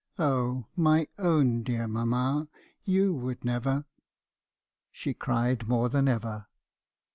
Oh, my own dear mamma, you would never —' "She cried more than ever.